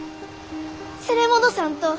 連れ戻さんと！